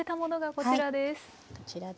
こちらです。